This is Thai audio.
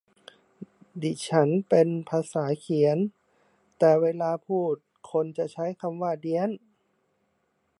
ดิฉันเป็นภาษาเขียน แต่เวลาพูดบางคนจะใช้คำว่าเดี๊ยน